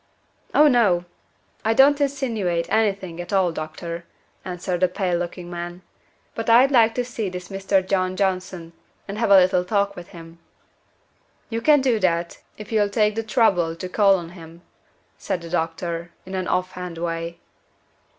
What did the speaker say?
"Oh, no. I don't insinuate any thing at all, doctor," answered the pale looking man. "But I'd like to see this Mr. John Johnson, and have a little talk with him." "You can do that, if you'll take the trouble to call on him," said the doctor, in an off hand way.